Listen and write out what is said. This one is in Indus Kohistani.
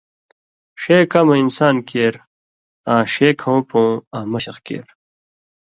ݜے کمہۡ انسان کیر آں ݜے کھؤں پوں آں مشق کیر